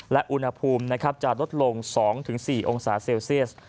และอุณหภูมิจะลดลง๒๔องศาเซลเซียส